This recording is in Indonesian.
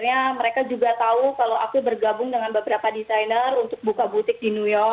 dan akhirnya mereka juga tahu kalau aku bergabung dengan beberapa desainer untuk buka butik di new york